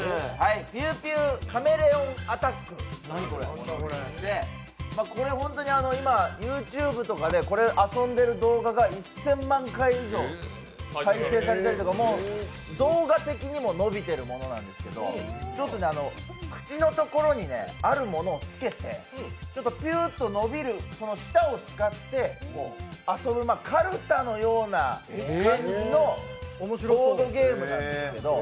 ピューピューカメレオンアタックっていって、これホントに今、ＹｏｕＴｕｂｅとかで遊んでる動画が１０００万回以上再生されているというか、動画的にも伸びてるものなんですけどちょっと口のところにあるものをつけてぴゅーっと伸びる舌を使って遊ぶかるたのような感じのボードゲームなんですけど。